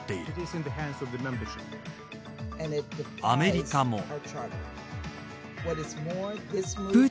アメリカも。